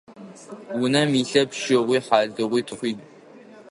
Унэм илъэп щыгъуи, хьалыгъуи, тхъуи.